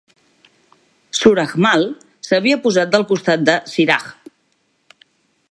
Suraj Mal s'havia posat del costat de Siraj.